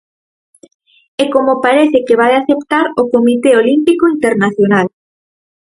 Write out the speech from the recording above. E como parece que vai aceptar o comité olímpico internacional.